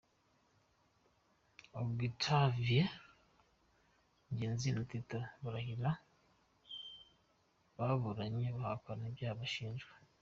Octavien Ngenzi na Tito Barahira baburanye bahakana ibyaha bashinjwa.